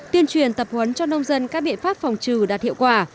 tuyên truyền tập huấn cho nông dân các biện pháp phòng trừ đạt hiệu quả